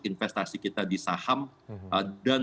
investasi kita di saham dan